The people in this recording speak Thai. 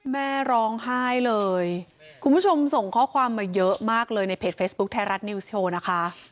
แม่ร้องไห้เลยคุณผู้ชมส่งข้อความมาเยอะมากเลยในเพจเฟซบุ๊คไทยรัฐนิวส์โชว์นะคะ